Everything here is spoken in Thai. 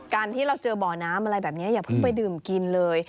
การที่เราเจอบ่อน้ำอะไรแบบนี้อย่าเพิ่งไปดื่มกินเลย